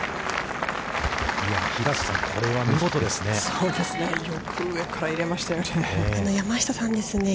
平瀬さん、これは見事ですね。